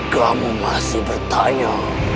kamu masih bertanya